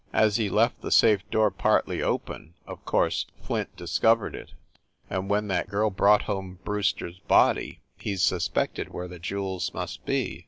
As he left the safe door partly open, of course Flint discovered it, and when that girl brought home Brewster s body he sus pected where the jewels must be.